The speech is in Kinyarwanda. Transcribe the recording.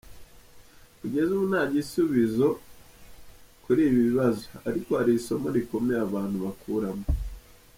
Kugeza ubu nta gisubizo kuri ibi bibazo ariko hari isomo rikomeye abantu bakuramo